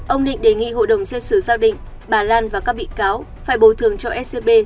ông định đề nghị hội đồng xét xử xác định bà lan và các bị cáo phải bồi thường cho scb